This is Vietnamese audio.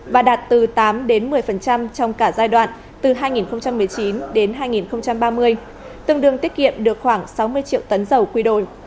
và đạt từ tám đến một mươi trong cả giai đoạn từ hai nghìn một mươi chín đến hai nghìn ba mươi tương đương tiết kiệm được khoảng sáu mươi triệu tấn dầu quy đổi